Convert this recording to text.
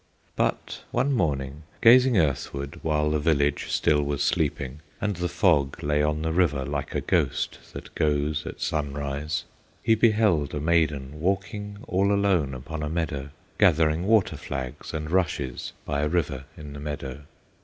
But one morning, gazing earthward, While the village still was sleeping, And the fog lay on the river, Like a ghost, that goes at sunrise, He beheld a maiden walking All alone upon a meadow, Gathering water flags and rushes By a river in the meadow.